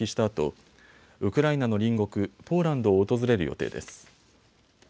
あとウクライナの隣国、ポーランドを訪れる予定です。